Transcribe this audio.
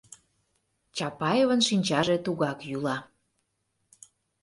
Чапаевын шинчаже тугак йӱла.